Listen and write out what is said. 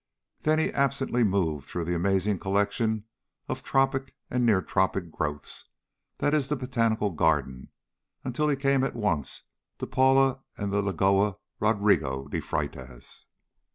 Then he absently moved through the amazing collection of tropic and near tropic growths that is the Botanical Garden until he came at once to Paula and the Lagoa Rodrico de Freitas.